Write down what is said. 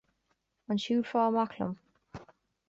An siúlfá amach liom?